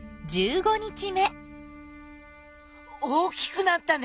大きくなったね。